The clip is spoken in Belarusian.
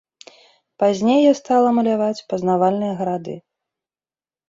Пазней я стала маляваць пазнавальныя гарады.